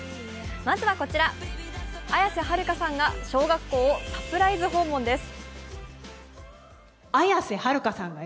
まずはこちら、綾瀬はるかさんが小学校をサプライズ訪問です。